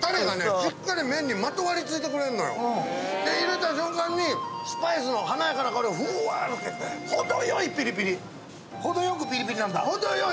しっかり麺にまとわりついてくれるのよで入れた瞬間にふわなってきて程よいピリピリ程よくピリピリなんだほう程よい